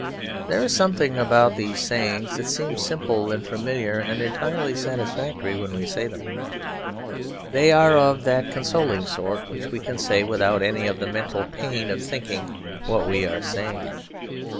There is something about these sayings that seems simple and familiar and entirely satisfactory when we say them; they are of that consoling sort which we can say without any of the mental pain of thinking what we are saying.